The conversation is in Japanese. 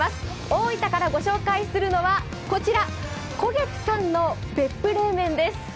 大分からご紹介するのはこちら、胡月さんの別府冷麺です。